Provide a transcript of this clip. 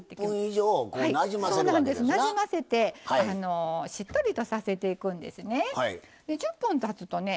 なじませてしっとりとさせていくんですね。